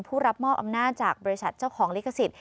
รับมอบอำนาจจากบริษัทเจ้าของลิขสิทธิ